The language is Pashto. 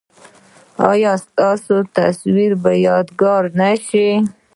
ایا ستاسو تصویر به یادګار نه شي؟